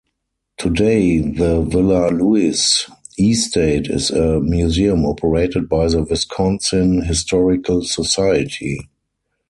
Today the Villa Louis estate is a museum operated by the Wisconsin Historical Society.